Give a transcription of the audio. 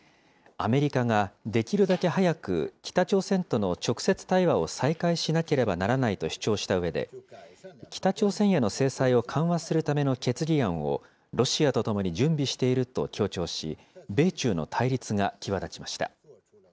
アメリカができるだけ早く北朝鮮との直接対話を再開しなければならないと主張したうえで、北朝鮮への制裁を緩和するための決議案をロシアとともに準備していると強調し、米中の対立が際立ちました。